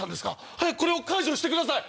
早くこれを解除してください！